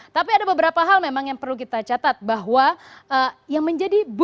tapi ada beberapa hal memang yang perlu kita catat bahwa yang menjadi